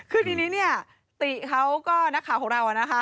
คือทีนี้เนี่ยติเขาก็นักข่าวของเรานะคะ